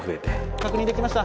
確認できました。